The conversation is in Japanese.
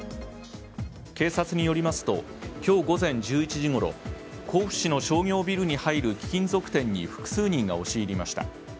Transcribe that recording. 警察によりますと今日午前１１時ごろ甲府市の商業ビルに入る貴金属店に複数人が押し入りました。